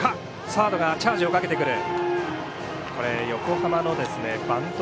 サードがチャージをかけてくる。